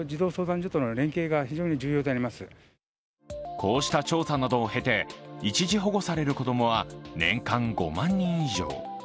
こうした調査などを経て、一時保護される子供は年間５万人以上。